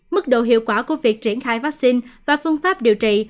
mức độ hiệu quả của việc triển khai vaccine và phương pháp điều trị